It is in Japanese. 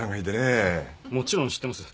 もちろん知ってます。